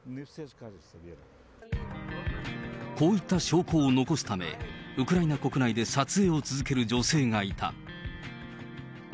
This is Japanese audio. こういった証拠を残すため、ウクライナ国内で撮影を続ける女性がいた。